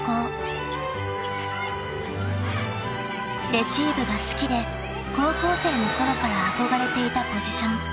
［レシーブが好きで高校生のころから憧れていたポジション］